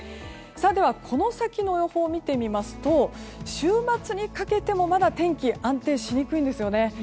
この先の予報を見てみますと週末にかけてもまだ天気安定しにくいんですよね。